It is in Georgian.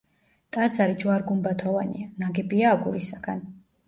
ტაძარი ჯვარ-გუმბათოვანია, ნაგებია აგურისაგან.